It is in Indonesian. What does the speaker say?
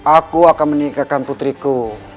aku akan menikahkan putriku